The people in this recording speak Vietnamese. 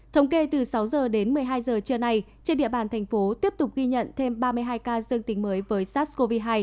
thống kê từ sáu h đến một mươi hai giờ trưa nay trên địa bàn thành phố tiếp tục ghi nhận thêm ba mươi hai ca dương tính với sars cov hai